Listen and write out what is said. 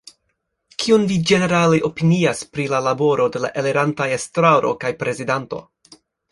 Kion vi ĝenerale opinias pri la laboro de la elirantaj estraro kaj prezidanto?